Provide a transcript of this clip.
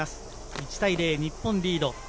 １対０、日本リード。